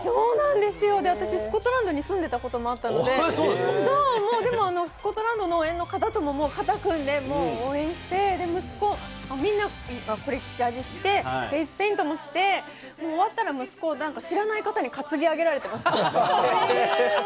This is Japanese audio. スコットランドに住んでいたこともあったので、スコットランドの応援の方とも肩組んで応援して、このジャージーを着て、フェイスペイントもして、終わったら息子を知らない方に担ぎ上げられていました。